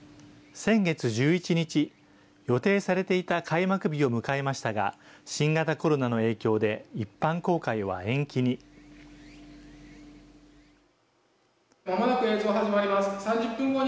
先月１１日、予定されていた開幕日を迎えましたが、新型コロナの影響で、一般公開は延期に。